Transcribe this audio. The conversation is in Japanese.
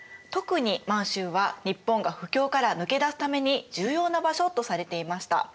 特に満州は日本が不況から抜け出すために重要な場所とされていました。